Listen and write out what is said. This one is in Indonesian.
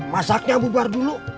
masaknya bubar dulu